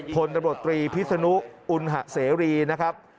พลตำรวจตรีพิศนุอุณหะเสรีนะครับ